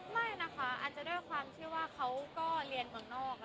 ไม่นะคะอาจจะด้วยความที่ว่าเขาก็เรียนเมืองนอก